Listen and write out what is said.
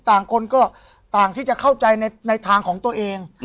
ต่างคนก็ต่างที่จะเข้าใจในทางของตัวเอง